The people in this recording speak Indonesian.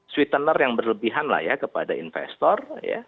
sweetener yang berlebihan kepada investor